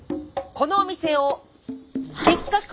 このお店をでっかく！